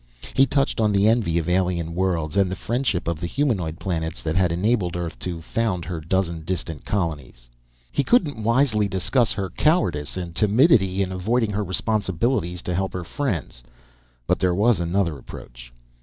He touched on the envy of the alien worlds, and the friendship of the humanoid planets that had enabled Earth to found her dozen distant colonies. He couldn't wisely discuss her cowardice and timidity in avoiding her responsibilities to help her friends; but there was another approach.